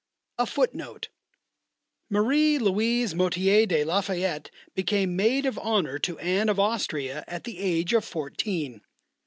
FOOTNOTE: [A] Marie Louise Motier de la Fayette became maid of honour to Anne of Austria at the age of fourteen.